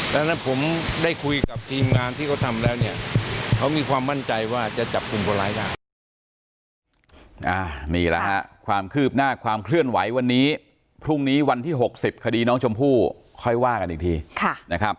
ดังนั้นผมได้คุยกับทีมงานที่เขาทำแล้วเนี่ยเขามีความมั่นใจว่าจะจับกลุ่มคนร้ายได้